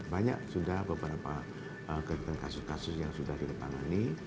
banyak sudah beberapa kasus kasus yang sudah diletakkan ini